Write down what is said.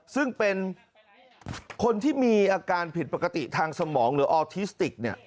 ซึ่งเป็นคนที่มีอาการผิดปกติทางสมองหรือออทิสติก